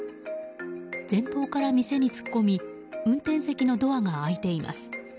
前方から店に突っ込み運転席のドアが開いています。